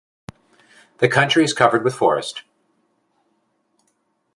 The country is covered with forest.